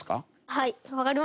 はい。